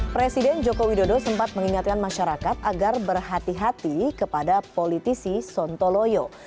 presiden joko widodo sempat mengingatkan masyarakat agar berhati hati kepada politisi sontoloyo